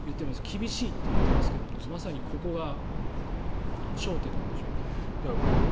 厳しいと言っていますがまさにここが焦点なんでしょう。